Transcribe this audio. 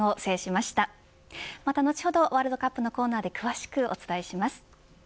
また後ほどワールドカップのコーナーで詳しくお伝えします。